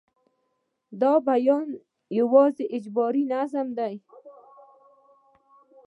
دا بیا یوازې اجباري نظم دی.